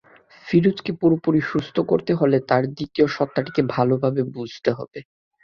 ফিরোজকে পুরোপুরি সুস্থ করতে হলে তার দ্বিতীয় সত্তাটিকে ভালোভাবে বুঝতে হবে।